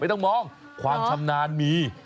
ต้องมองความชำนาญมี